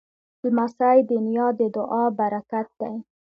لمسی د نیا د دعا پرکت دی.